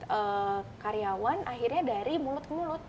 karyawan akhirnya dari mulut ke mulut